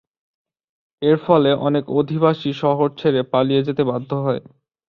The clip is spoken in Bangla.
এর ফলে অনেক অধিবাসী শহর ছেড়ে পালিয়ে যেতে বাধ্য হয়।